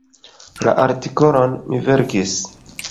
La artikolon mi verkis.